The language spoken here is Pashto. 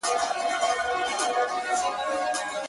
رڼا ترې باسم له څراغه .